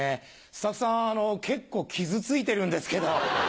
スタッフさん結構傷ついてるんですけど。